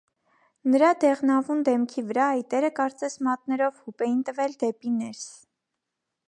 Նրա դեղնավուն դեմքի վրա այտերը կարծես մատներով հուպ էին տվել դեպի ներս.